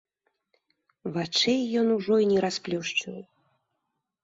Вачэй ён ужо і не расплюшчыў.